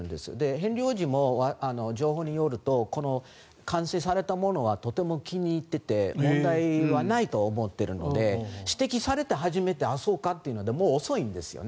ヘンリー王子も情報によると完成されたものはとても気に入っていて問題はないと思っているので指摘されて初めてあっ、そうかというのでもう遅いんですよね。